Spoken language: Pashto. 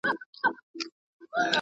زما او ستا تر منځ صرف فرق دادى